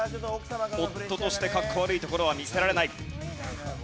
夫としてかっこ悪いところは見せられない。